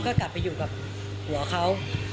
ก็กลับไปอยู่กับผัวเขา